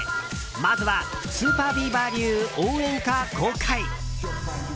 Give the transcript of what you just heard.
まずはＳＵＰＥＲＢＥＡＶＥＲ流応援歌、公開。